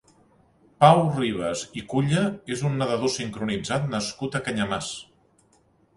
Pau Ribes i Culla és un nedador sincronitzat nascut a Canyamars.